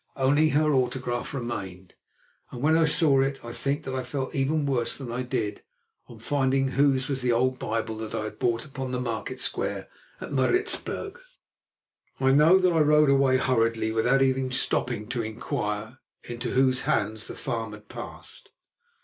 Only her autograph remained, and when I saw it I think that I felt even worse than I did on finding whose was the old Bible that I had bought upon the market square at Maritzburg. I know that I rode away hurriedly without even stopping to inquire into whose hands the farm had passed.